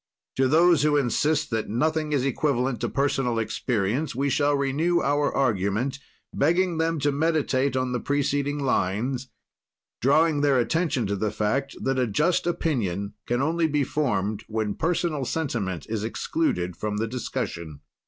"To those who insist that nothing is equivalent to personal experience, we shall renew our argument, begging them to meditate on the preceding lines, drawing their attention to the fact that a just opinion can only be formed when personal sentiment is excluded from the discussion.